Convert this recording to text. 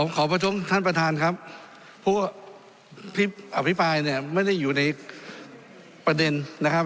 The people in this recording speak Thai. ขอประท้วงท่านประธานครับผู้อภิปรายเนี่ยไม่ได้อยู่ในประเด็นนะครับ